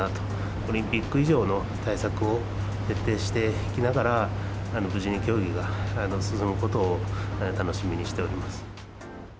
オリンピック以上の対策を徹底していきながら、無事に競技が進むことを楽しみにしております。